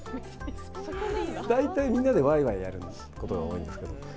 大体みんなでわいわいやることが多いんですけど。